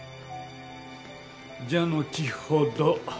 じゃ後ほど。